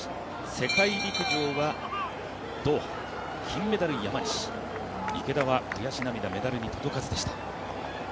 世界陸上はドーハ、金メダル山西、池田は悔し涙メダルに届かずでした。